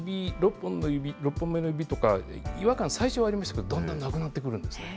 ６本目の指とか、違和感、最初はありましたけど、だんだんなくなってくるんですね。